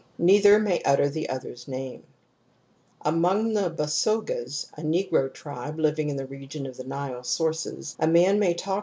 Neither may utter the other's name i®. Among the Basogas, a negro tribe living in the region of the Nile sources, a man may talk 17 Frazer, Lc, II, p.